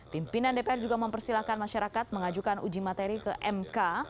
pimpinan dpr juga mempersilahkan masyarakat mengajukan uji materi ke mk